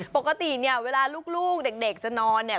ปกติเนี่ยเวลาลูกเด็กจะนอนเนี่ย